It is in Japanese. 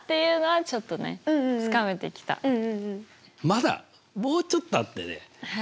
まだもうちょっとあってね